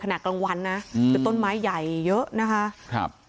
ขนาดกลางวันนะแต่ต้นไม้ใหญ่เยอะนะคะ